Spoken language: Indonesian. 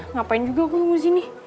ngapain juga aku tunggu disini